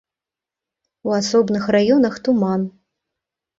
У асобных раёнах туман.